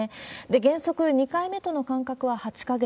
原則、２回目との間隔は８か月。